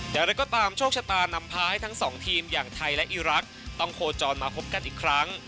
อย่างไรก็ตามโชคชะตานำพาให้ทั้งสองทีมอย่างไทยและอีรักษ์ต้องโคจรมาพบกันอีกครั้ง